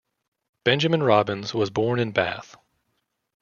Benjamin Robins was born in Bath.